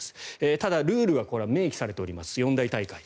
ただ、ルールは明記されています四大大会。